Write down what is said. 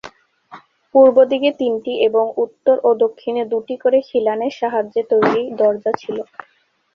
পূর্বদিকে তিনটি এবং উত্তর ও দক্ষিণে দুটি করে খিলানের সাহায্যে তৈরি দরজা ছিলো।